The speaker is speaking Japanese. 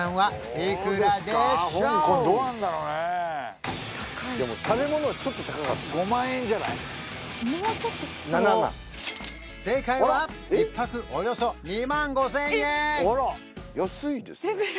高いでも食べ物ちょっと高かった正解は１泊およそ２万５０００円あら安いですね